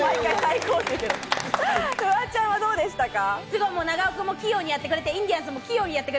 フワちゃんはどうでしたか？